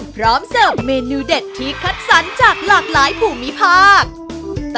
พร้อมเสิร์ฟเมนูเด็ดที่คัดสรรจากหลากหลายผู้มีพากษ์